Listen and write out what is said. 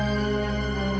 saya sudah senang